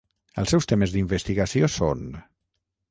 Els seus temes d'investigació són: